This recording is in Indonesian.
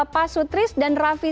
pak sutris dan raffi